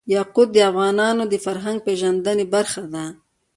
یاقوت د افغانانو د فرهنګي پیژندنې برخه ده.